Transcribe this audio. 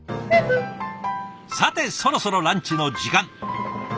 さてそろそろランチの時間。